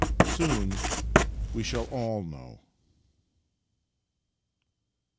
Soon we shall all know.